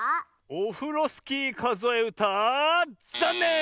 「オフロスキーかぞえうた」ざんねん！